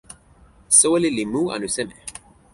soweli li mu anu seme?